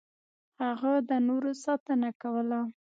هغه د نورو ساتنه کوله.